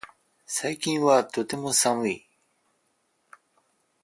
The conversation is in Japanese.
最近はとても寒い